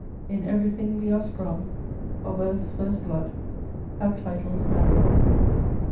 In everything we are sprung Of earth's first blood, have titles manifold.